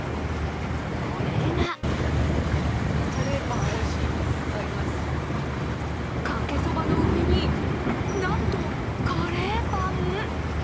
それがかけそばの上になんと、カレーパン！？